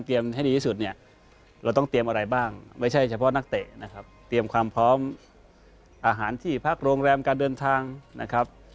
เตรียมความพร้อมอาหารที่พักโรงแรมการเดินทางนะครับ